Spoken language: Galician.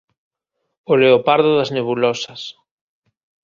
O leopardo das nebulosas